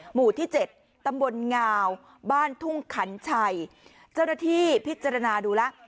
หมู่ที่เจ็ดตำบลงาวบ้านทุ่งขันชัยเจ้าหน้าที่พิจารณาดูแล้ว